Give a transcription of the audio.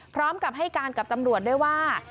พร้อมกับให้การกับตำรวจด้วยว่า